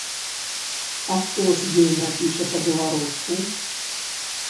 А хто ж ёй напіша па-беларуску?